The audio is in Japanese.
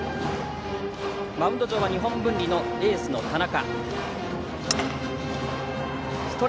マウンド上は日本文理のエースの田中。